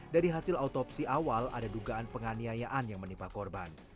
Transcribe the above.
dari hasil autopsi awal ada dugaan penganiayaan yang menimpa korban